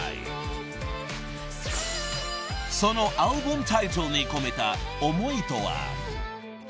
［そのアルバムタイトルに込めた思いとは］